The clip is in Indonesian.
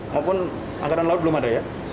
maupun angkatan laut belum ada ya